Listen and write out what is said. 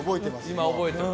今覚えてる？